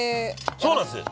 そうなんです！